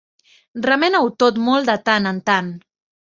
Remena-ho tot molt de tant en tant.